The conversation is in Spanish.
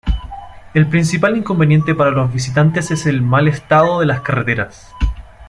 El principal inconveniente para los visitantes es el mal estado de las carreteras.